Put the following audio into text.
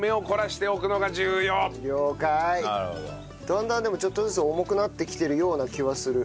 だんだんでもちょっとずつ重くなってきてるような気はする。